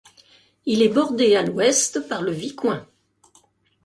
Il est bordé à l'ouest par le Vicoin.